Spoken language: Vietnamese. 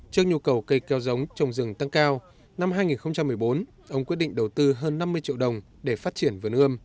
trước nhu cầu cây keo giống trồng rừng tăng cao năm hai nghìn một mươi bốn ông quyết định đầu tư hơn năm mươi triệu đồng để phát triển vườn ươm